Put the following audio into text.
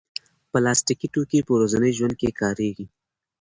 پلاستيکي توکي په ورځني ژوند کې کارېږي.